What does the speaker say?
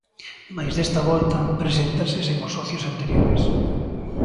Mais desta volta preséntase sen os socios anteriores.